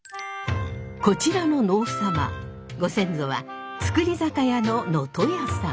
こちらの能サマご先祖は造り酒屋の能登屋さん。